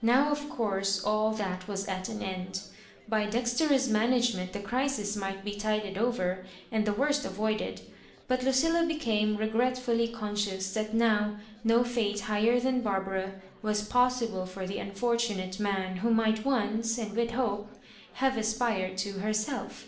Now, of course, all that was at an end. By dexterous management the crisis might be tided over, and the worst avoided ;. but Lucilla became regretfuUy conscious that now no fate higher than Barbara was possible for the unfor tunate man who might once, and with hope, have aspired to herself.